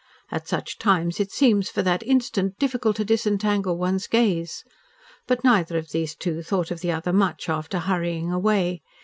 At such times it seems for that instant difficult to disentangle one's gaze. But neither of these two thought of the other much, after hurrying away.